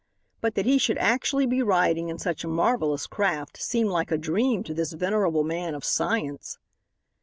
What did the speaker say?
But that he should actually be riding in such a marvellous craft seemed like a dream to this venerable man of science.